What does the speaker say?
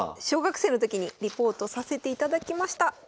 小学生の時にリポートさせていただきました。